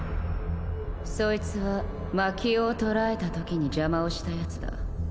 そいつはまきをを捕らえたときに邪魔をしたやつだ